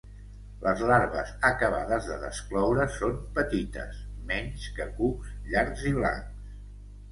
Les larves acabades de descloure són petites, menys que cucs llargs i blancs.